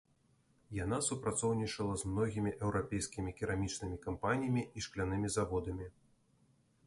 Яна супрацоўнічала з многімі еўрапейскімі керамічнымі кампаніямі і шклянымі заводамі.